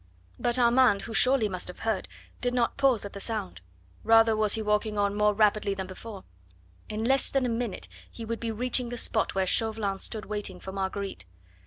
But Armand who surely must have heard did not pause at the sound. Rather was he walking on now more rapidly than before. In less than a minute he would be reaching the spot where Chauvelin stood waiting for Marguerite.